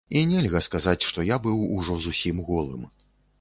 І нельга сказаць, што я быў ужо зусім голым.